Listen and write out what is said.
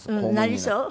なりそう？